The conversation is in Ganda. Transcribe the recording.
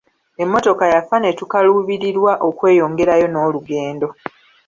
Emmotoka yafa ne tukaluubirirwa okweyongerayo n'olugendo.